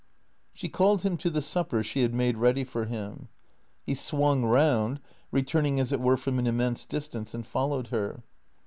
She called him to the supper she had made ready for him. He swung round, returning as it were from an immense distance, and followed her.